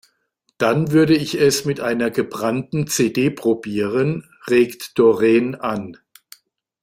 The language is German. Dann würde ich es mit einer gebrannten CD probieren, regt Doreen an.